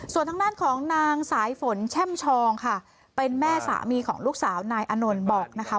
ส่วนทางด้านของนางสายฝนแช่มชองค่ะเป็นแม่สามีของลูกสาวนายอานนท์บอกนะคะ